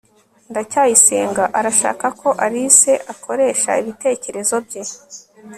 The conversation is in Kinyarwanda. ndacyayisenga arashaka ko alice akoresha ibitekerezo bye